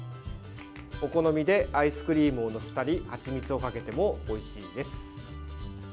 お好みでアイスクリームを載せたりはちみつをかけてもおいしいです。